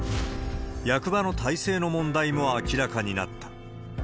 役場の体制の問題も明らかになった。